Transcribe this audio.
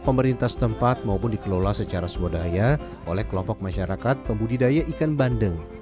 pemerintah setempat maupun dikelola secara swadaya oleh kelompok masyarakat pembudidaya ikan bandeng